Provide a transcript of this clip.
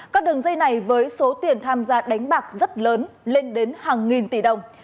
các đường dây này với số tiền tham gia đánh bạc rất lớn lên đến hàng nghìn tỷ đồng